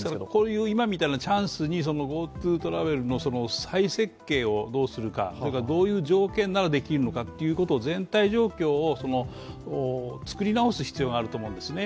今みたいなチャンスにＧｏＴｏトラベルの再設計をどうするか、そういう条件ならできるのかっていうのを全体状況を作り直す必要があると思いますね。